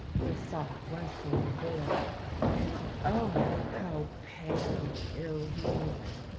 They saw it was the little boy, and, oh! how pale and ill he looked.